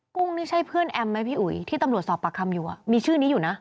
กุ้งนี่ใช่เพื่อนแอมไหมพี่อุ๋ยที่ตำรวจสอบปากคำอยู่มีชื่อนี้อยู่นะ